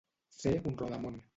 Ser un rodamon.